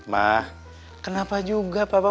ma kenapa juga papa